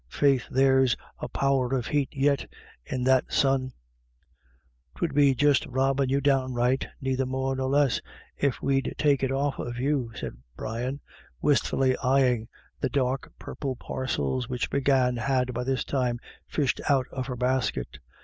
Faith, there's a power of heat yit in that sun !" u 'Twould be just robbin' you downright, neither more nor less, if we'd take it off of you," said Brian, wistfully eyeing the dark purple parcels which Big Anne had by this time fished out of her basket.